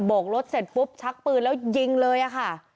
กรถเสร็จปุ๊บชักปืนแล้วยิงเลยอะค่ะ